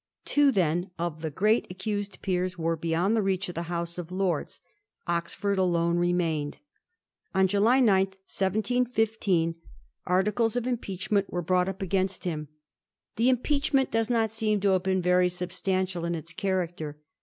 Two, then, of the great accused peers were beyond the reach of the House of Lords. Oxford alone remained. On July 9, 1715, articles of im Digiti zed by Google 1716 THE TRIAL OF OXFORD. 147 peachment were brought up against him. The im peachment does not seem to have been very substantial in its character.